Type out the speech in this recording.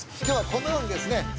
今日はこのようにですね